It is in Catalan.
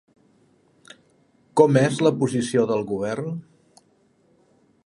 Com és la posició del govern?